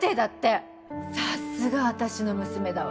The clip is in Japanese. さすが私の娘だわ。